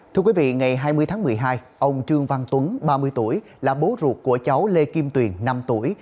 thưa quý vị ngày hai mươi tháng một mươi hai ông trương văn tuấn ba mươi tuổi là bố ruột của cháu lê kim tuyền năm tuổi